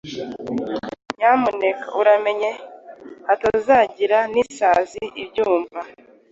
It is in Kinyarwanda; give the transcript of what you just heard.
Nyamuneka uramenye hatazagira n’isazi ibyumva!